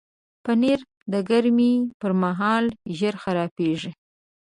پنېر د ګرمۍ پر مهال ژر خرابیږي.